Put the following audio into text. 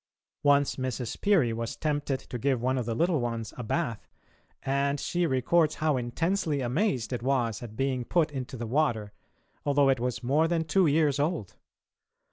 Once Mrs. Peary was tempted to give one of the little ones a bath, and she records how intensely amazed it was at being put into the water, although it was more than two years old.